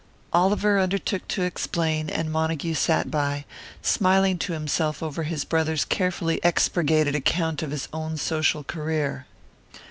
Oliver undertook to explain; and Montague sat by, smiling to himself over his brother's carefully expurgated account of his own social career.